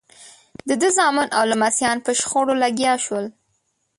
د ده زامن او لمسیان په شخړو لګیا شول.